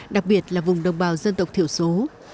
đặc biệt là vùng đồng bào dân tộc thiểu số